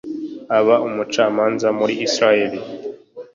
aba umucamanza muri israheli